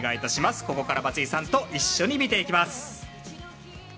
ここから、松井さんと一緒に見ていきます。